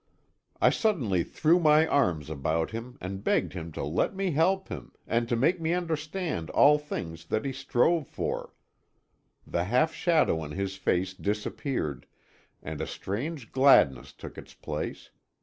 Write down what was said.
I suddenly threw my arms about him, and begged him to let me help him, and to make me understand all things that he strove for. The half shadow on his face disappeared, and a strange gladness took its place.